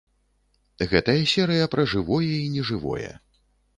Гэтая серыя пра жывое і нежывое.